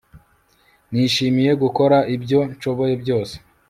Nishimiye gukora ibyo nshoboye byose